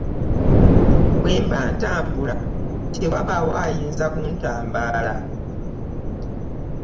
Bwe mba ntambula tewabaawo ayinza kuntambaala.